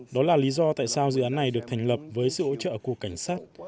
đó là lý do tại sao dự án này được thành lập với sự hỗ trợ của cảnh sát